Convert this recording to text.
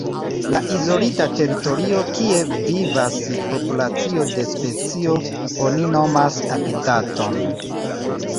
La izolita teritorio kie vivas populacio de specio oni nomas habitaton.